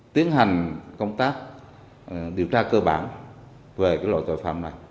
tiến hành công tác điều tra cơ bản về cái loại tội phạm này